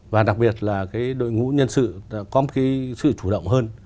và đặc biệt là cái đội ngũ nhân sự có một cái sự chủ động hơn